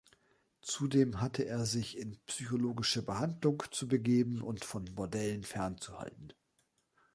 Zudem hatte er sich in psychologische Behandlung zu begeben und von Bordellen fernzuhalten.